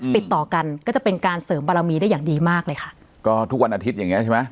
ติดต่อกันก็จะเป็นการเสริมบารมีได้อย่างดีมากเลยค่ะก็ทุกวันอาทิตย์อย่างเงี้ใช่ไหม